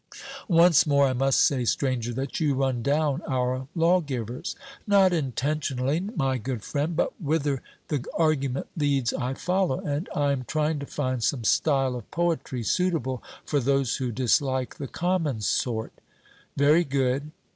'Once more, I must say, Stranger, that you run down our lawgivers.' Not intentionally, my good friend, but whither the argument leads I follow; and I am trying to find some style of poetry suitable for those who dislike the common sort. 'Very good.'